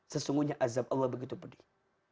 sesungguhnya azab allah begitu pedih